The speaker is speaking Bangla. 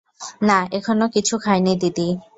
না, এখনো কিছু খাইনি দিদি।